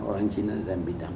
orang cina dalam bidang